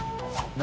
何？